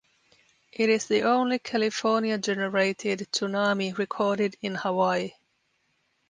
It is the only California generated tsunami recorded in Hawaii.